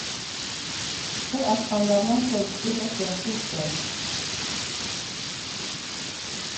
بۇ ئاشخانىلارنىڭ سودىسى بەك ياخشى ئىكەن.